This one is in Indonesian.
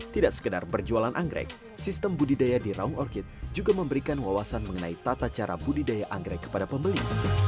tidak sekedar berjualan anggrek sistem budidaya di raung orkit juga memberikan wawasan mengenai tata cara budidaya anggrek kepada pembeli